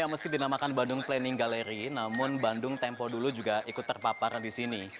ya meski dinamakan bandung planning gallery namun bandung tempo dulu juga ikut terpapar di sini